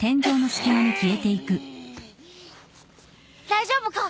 大丈夫か？